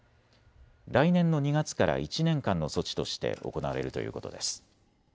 来年の２月から１年間の措置として行われるということです。